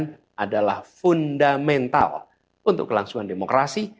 yang adalah fundamental untuk kelangsungan demokrasi